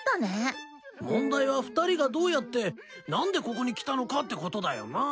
問題は２人がどうやって何でここに来たのかってことだよな。